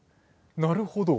なるほど。